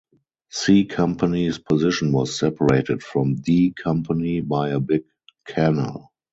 C Company's position was separated from D Company by a big canal.